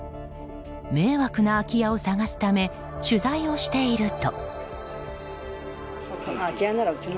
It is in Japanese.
迷惑な空き家を探すため取材をしていると。